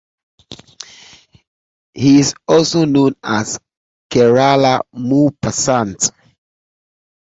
He is also known as 'Kerala Maupassant'.